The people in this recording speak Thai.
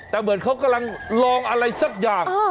แต่เหมือนเขากำลังลองอะไรสักอย่าง